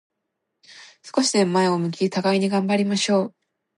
少しでも前を向き、互いに頑張りましょう。